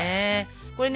これね